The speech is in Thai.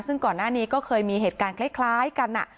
ซึ่งก่อนหน้านี้ก็เคยมีเหตุการณ์คล้ายกัน